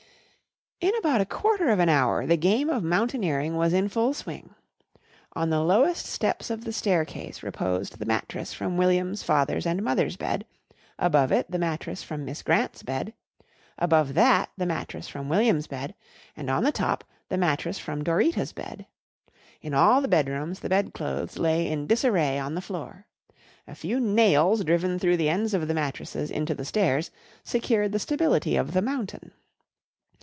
In about a quarter of an hour the game of mountaineering was in full swing. On the lowest steps of the staircase reposed the mattress from William's father's and mother's bed, above it the mattress from Miss Grant's bed, above that the mattress from William's bed, and on the top, the mattress from Dorita's bed. In all the bedrooms the bedclothes lay in disarray on the floor. A few nails driven through the ends of the mattresses into the stairs secured the stability of the "mountain."